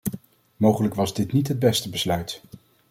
Mogelijk was dit niet het beste besluit.